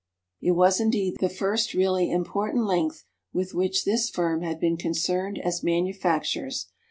It was, indeed, the first really important length with which this firm had been concerned as manufacturers.